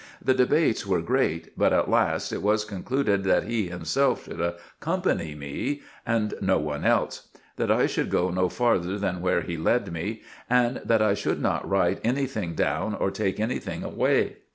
The debates were great ; but at last it was concluded that he himself should accompany me, and no one else; that I should go no farther than where he led me ; and that I should not write any thing down, or take any thing away.